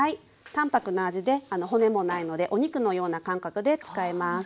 淡泊な味で骨もないのでお肉のような感覚で使えます。